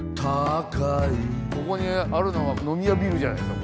ここにあるのは呑み屋ビルじゃないですか？